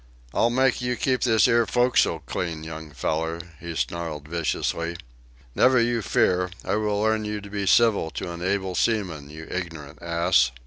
"I'll make you keep this 'ere fo'c'sle clean, young feller," he snarled viciously. "Never you fear. I will learn you to be civil to an able seaman, you ignerant ass."